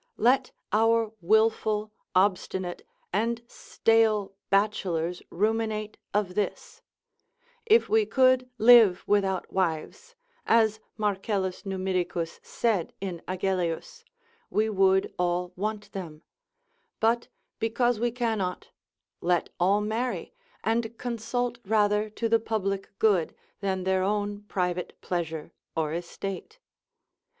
Let our wilful, obstinate, and stale bachelors ruminate of this, If we could live without wives, as Marcellus Numidicus said in Agellius, we would all want them; but because we cannot, let all marry, and consult rather to the public good, than their own private pleasure or estate.